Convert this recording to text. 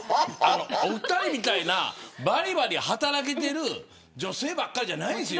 お二人みたいなばりばり働けてる女性ばかりじゃないんですよ